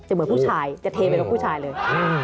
เหมือนผู้ชายจะเทไปกับผู้ชายเลย